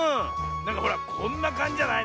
なんかほらこんなかんじじゃない？